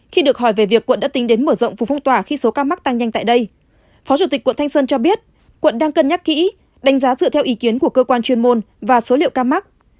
khi được hỏi về việc quận đã tính đến mở rộng phủ phong tỏa khi số ca mắc tăng nhanh tại đây phó chủ tịch quận thanh xuân cho biết quận đang cân nhắc kỹ đánh giá dựa theo ý kiến của cơ quan chuyên môn và số liệu ca mắc